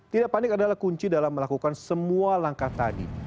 tidak panik adalah kunci dalam melakukan semua langkah tadi